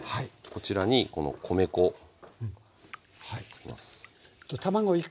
こちらにこの米粉入れます。